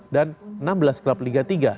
dan enam belas klub liga tiga